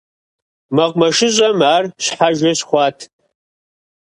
МэкъумэшыщӀэм ар щхьэжэ щыхъуат.